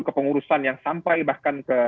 kepengurusan yang sampai bahkan ke